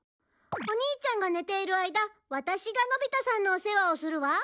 お兄ちゃんが寝ている間ワタシがのび太さんのお世話をするわ。